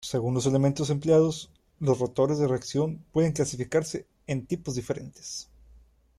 Según los elementos empleados, los rotores de reacción pueden clasificarse en tipos diferentes.